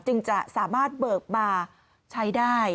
จึงจะสามารถเบิกมาใช้ได้